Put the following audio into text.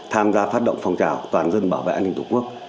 tham gia phát động phong trào toàn dân bảo vệ an ninh tổ quốc